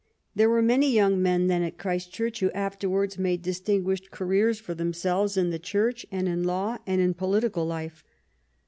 There were many young men then at Christchurch who afterwards made distinguished careers for themselves in the Church and in law and in political life.